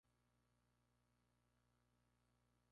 Más que un cantante, es un cantautor.